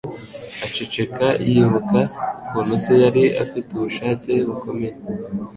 Aceceka, yibuka ukuntu se yari afite ubushake bukomeye.